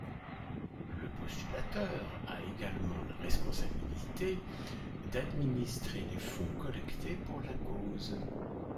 Le postulateur a également la responsabilité d'administrer les fonds collectés pour la cause.